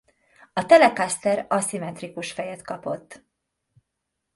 A Telecaster aszimmetrikus fejet kapott.